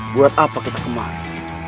buat apa kita kemarin